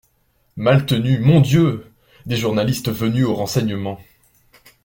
Maltenu Mon Dieu !… des journalistes venus aux renseignements.